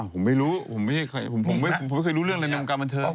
ผมไม่รู้ผมไม่เคยรู้เรื่องเลยในวงการบันเทิง